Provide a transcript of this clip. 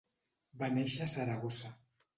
Va néixer a Saragossa.